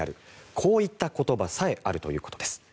こういった言葉さえあるということです。